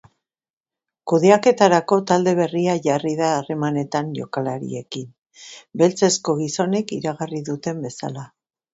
Kudeaketarako talde berria jarri da harremanetan jokalariekin, beltzezko gizonek iragarri duten bezala.